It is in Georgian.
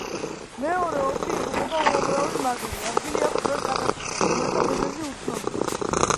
მეორე ომში იღუპება უამრავი მაგლი, ადგილი აქვს ბევრ კატასტროფას, რომელთა მიზეზი უცნობია.